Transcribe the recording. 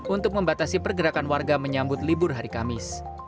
untuk membatasi pergerakan warga menyambut libur hari kamis